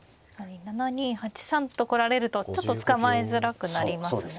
７二８三と来られるとちょっと捕まえづらくなりますもんね。